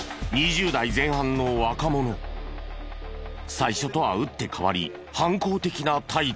最初とは打って変わり反抗的な態度。